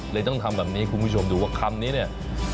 ต้องทำแบบนี้คุณผู้ชมดูว่าคำนี้เนี่ย